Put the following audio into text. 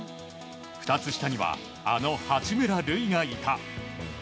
２つ下には、あの八村塁がいた。